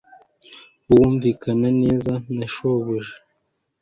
wumvikana neza na shobuja